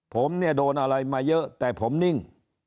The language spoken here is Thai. ผมเนี่ยโดนอะไรมาเยอะแต่ผมนิ่ง